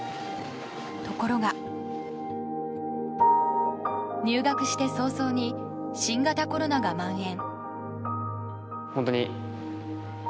ところが、入学して早々に新型コロナがまん延。